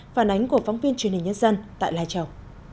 phản ánh của phóng viên truyền hình nhân dân tại lai châu